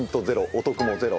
お得もゼロ。